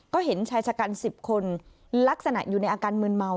ก็เห็นชายชะกัน๑๐คนลักษณะอยู่ในอาการมืนเมา